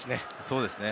そうですね。